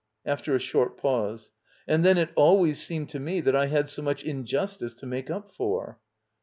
[After a short pause.] And then it always ^^'^med to me that I had so much injustice to make up for.